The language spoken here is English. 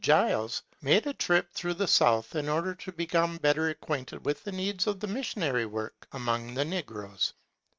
Giles, made a trip through the south in order to become better acquainted with the needs of the mis sionary work among the negroes.